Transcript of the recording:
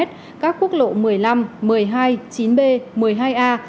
các quốc lộ một mươi năm một mươi hai chín b một mươi hai a